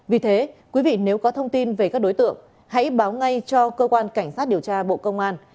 vì thế quý vị nếu có thông tin về các đối tượng hãy báo ngay cho cơ quan cảnh sát điều tra bộ công an